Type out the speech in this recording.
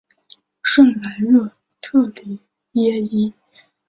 圣莱热特里耶伊。